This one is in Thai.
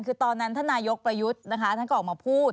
คือตอนนั้นท่านนายกประยุทธ์นะคะท่านก็ออกมาพูด